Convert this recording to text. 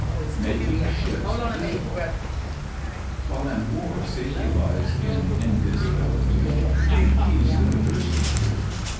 MAKING SHIPS VISIBLE While in war safety lies in invisibility, in peace the reverse is true.